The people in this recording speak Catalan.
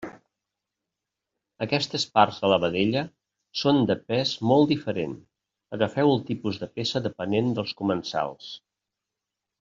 Aquestes parts de la vedella són de pes molt diferent, agafeu el tipus de peça depenent dels comensals.